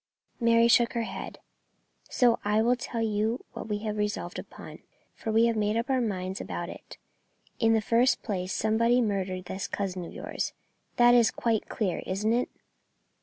Mary shook her head. "So I will tell you what we have resolved upon, for we have made up our minds about it. In the first place somebody murdered this cousin of yours; that's quite clear, isn't it?"